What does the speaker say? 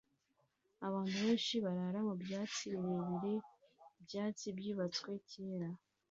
Abantu benshi barara mu byatsi birebire byatsi byubatswe kera